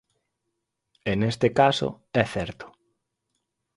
E neste caso é certo.